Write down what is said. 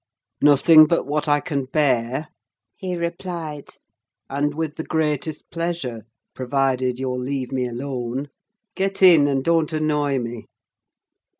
"Nothing but what I can bear," he replied; "and with the greatest pleasure, provided you'll leave me alone: get in, and don't annoy me."